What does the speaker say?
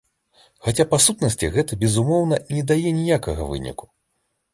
Хаця па сутнасці гэта, безумоўна, не дае ніякага выніку.